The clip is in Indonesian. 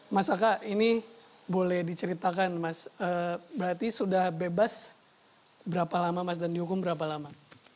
mas aka ini boleh diceritakan mas berarti sudah bebas berapa lama mas dan dihukum berapa lama